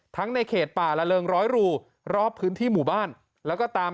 ในเขตป่าละเริงร้อยรูรอบพื้นที่หมู่บ้านแล้วก็ตาม